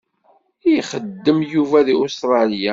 Ixeddem Yuba di Ustralya?